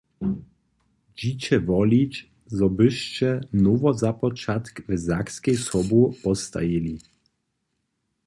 Dźiće wolić, zo byšće nowozapočatk w Sakskej sobu postajili.